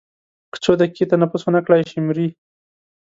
که څو دقیقې تنفس ونه کړای شي مري.